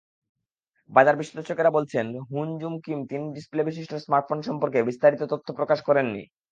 বাজার-বিশ্লেষকেরা বলছেন, Hun-jun Kim তিন ডিসপ্লেবিশিষ্ট smartphone সম্পর্কে বিস্তারিত তথ্য প্রকাশ করেননি।